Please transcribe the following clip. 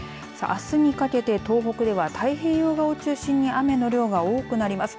あすにかけて東北では太平洋側を中心に雨の量が多くなります。